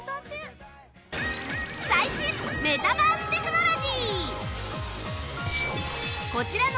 最新メタバーステクノロジー